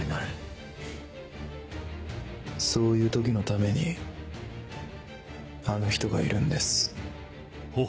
そういう時のためにあの人がいるんです。